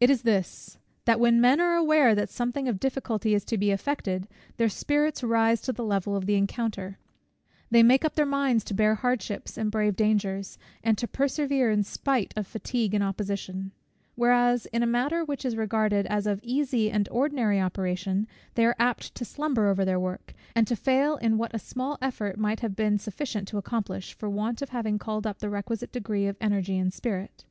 It is this that when men are aware that something of difficulty is to be effected, their spirits rise to the level of the encounter; they make up their minds to bear hardships and brave dangers, and to persevere in spite of fatigue and opposition: whereas in a matter which is regarded as of easy and ordinary operation, they are apt to slumber over their work, and to fail in what a small effort might have been sufficient to accomplish, for want of having called up the requisite degree of energy and spirit.